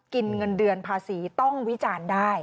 เงินเดือนภาษีต้องวิจารณ์ได้